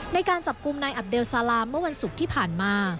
ในการจับกลุ่มนายอับเลซาลาเมื่อวันศุกร์ที่ผ่านมา